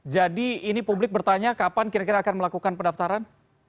jadi ini publik bertanya kapan kira kira akan melakukan pendaftaran